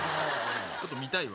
ちょっと見たいわ。